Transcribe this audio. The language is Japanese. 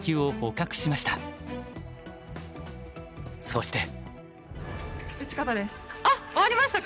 そして。